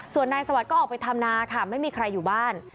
ส่วนนายสวัสดิ์ก็ออกไปทำนาค่ะไม่มีใครอยู่บ้าน